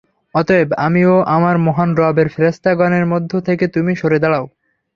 অতএব, আমি ও আমার মহান রব-এর ফেরেশতাগণের মধ্য থেকে তুমি সরে দাড়াও।